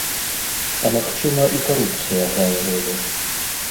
А магчыма, і карупцыя грае ролю.